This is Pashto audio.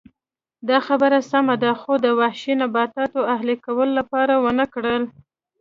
دا خبره سمه ده خو د وحشي نباتاتو اهلي کولو لپاره ونه کړل